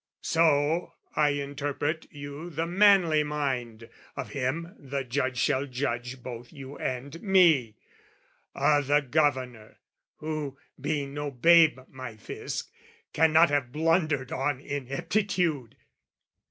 So I interpret you the manly mind Of him the Judge shall judge both you and me, O' the Governor, who, being no babe, my Fisc, Cannot have blundered on ineptitude!